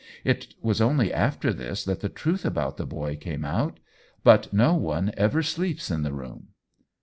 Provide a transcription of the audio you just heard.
It was only after this that the truth about the boy came out. But no one ever sleeps in the room."